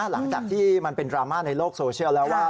หลังจากที่มันเป็นดราม่าในโลกโซเชียลแล้วว่า